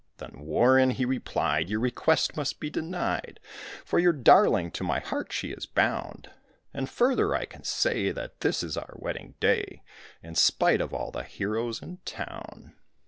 Then Warren, he replied: "Your request must be denied, For your darling to my heart she is bound; And further I can say that this is our wedding day, In spite of all the heroes in town."